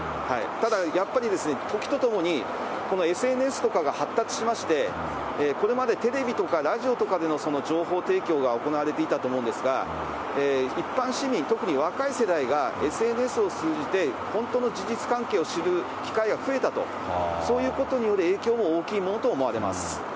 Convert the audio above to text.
ただ、やっぱりですね、時とともにこのＳＮＳとかが発達しまして、これまでテレビとかラジオとかでの情報提供が行われていたと思うんですが、一般市民、特に若い世代がＳＮＳを通じて、本当の事実関係を知る機会が増えたと、そういうことによる影響も大きいものと思われます。